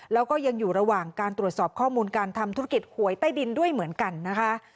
แล้วก็ยังอยู่ระหว่างการตรวจสอบข้อมูลการทำธุรกิจหวยใต้ดินด้วยเหมือนกันนะคะ